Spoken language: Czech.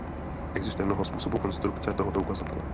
Existuje mnoho způsobů konstrukce tohoto ukazatele.